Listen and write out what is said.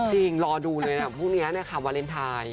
จริงรอดูเลยนะพรุ่งนี้วาเลนไทย